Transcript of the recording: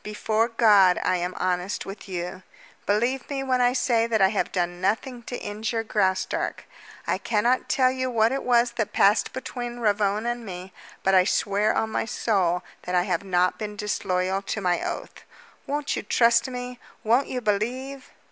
"Before God, I am honest with you. Believe me when I say that I have done nothing to injure Graustark. I cannot tell you what it was that passed between Ravone and me, but I swear on my soul that I have not been disloyal to my oath. Won't you trust me? Won't you believe?"